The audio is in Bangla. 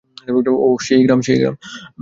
ওহ, সেই গ্রাম!